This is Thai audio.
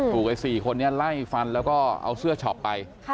ถูกกับสี่คนนี้ไล่ฟันแล้วก็เอาเสื้อชอบไป